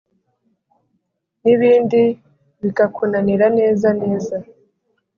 n’ibindi bikakunanira neza neza.